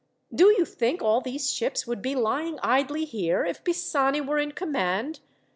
"Do you think all these ships would be lying idly here, if Pisani were in command?